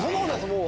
もう。